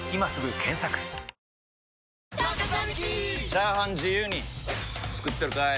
チャーハン自由に作ってるかい！？